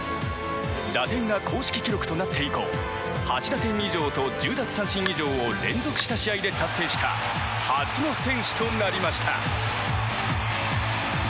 打点が公式記録となって以降８打点以上と１０奪三振以上を連続した試合で達成した初の選手となりました。